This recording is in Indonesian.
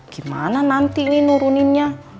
gimana nanti ini nuruninnya